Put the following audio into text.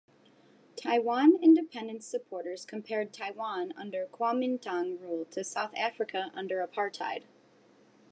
Taiwan Independence supporters compared Taiwan under Kuomintang rule to South Africa under apartheid.